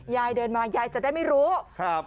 ยายเดินมายายจะได้ไม่รู้ครับ